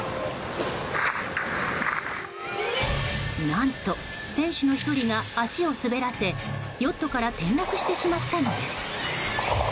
何と選手の１人が足を滑らせヨットから転落してしまったのです。